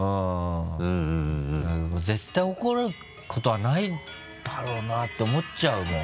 うん。絶対怒ることはないだろうなって思っちゃうもん。